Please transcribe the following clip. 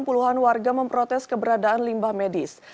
puluhan warga memprotes keberadaan limbah medis